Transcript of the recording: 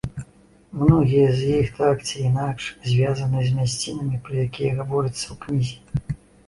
Многія з іх так ці інакш звязаны з мясцінамі, пра якія гаворыцца ў кнізе.